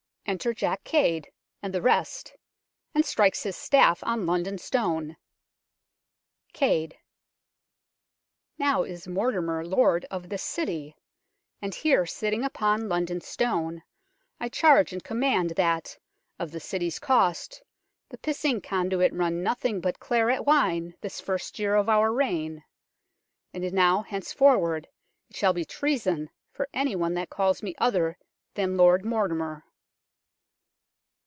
.Enter JACK CADE and the rest, and strikes his staff on London Stone. CADE. Now is Mortimer lord of this city ! And here, sitting upon London Stone, I charge and command that, of the city's cost, the pissing conduit run nothing but claret wine this first year of our reign. And now henceforward it shall be treason for any one that calls me other than Lord Mortimer.